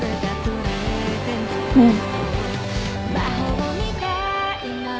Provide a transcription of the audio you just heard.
うん。